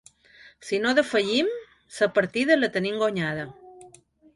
Si no defallim, la partida la tenim guanyada.